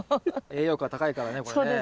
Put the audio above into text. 栄養価が高いからねこれね。